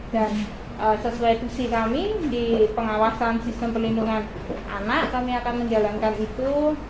dan sesuai tusi kami di pengawasan sistem perlindungan anak kami akan menjalankan itu